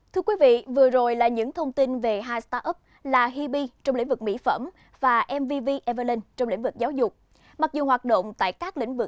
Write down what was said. thưa quý vị vừa rồi là những thông tin về hai start up là hibi trong lĩnh vực mỹ phẩm và mvv evalon trong lĩnh vực giáo dục